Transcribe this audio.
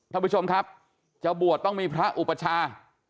ท่านผู้ชมครับจะบวชต้องมีพระอุปชา